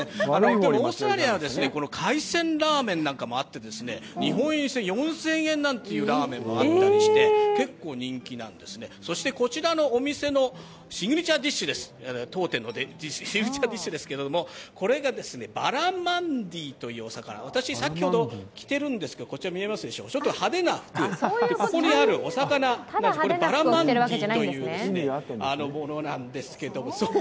オーストラリアは海鮮ラーメンなんかもあって日本円にして４０００円なんていうラーメンもあったりして結構人気なんですね、そしてこちらのお店のシグニチャーディッシュですけどこれがバラマンディーというお魚、私着てるんですけれどもこのちょっと派手な服、ここにあるお魚がバラマンディーというものなんです。